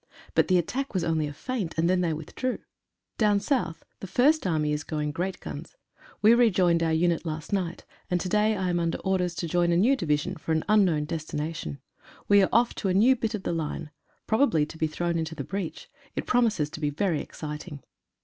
But the attack was only a feint, and they then withdrew. Down south the First Army is going great guns. We rejoined our unit last night, and to day I am under orders to join a new division, for an unknown destination. We are off to a new bit of the line, probably to be thrown into the breach. It promises to be very exciting.